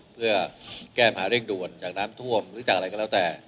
เพื่อแก้มาเร่งด่วนอย่างน้ำท่วมหรือจากอะไรก็แล้วแต่